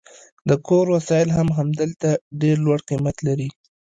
د کور وسایل هم هلته ډیر لوړ قیمت لري